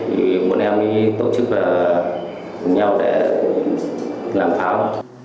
thì bọn em mới tổ chức cùng nhau để làm pháo